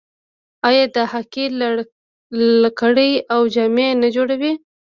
آیا د هاکي لکړې او جامې نه جوړوي؟